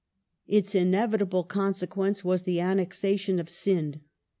Its inevitable consequence was the annexation of Sind.